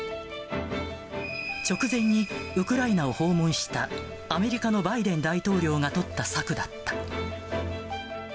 直前にウクライナを訪問したアメリカのバイデン大統領が取った策だった。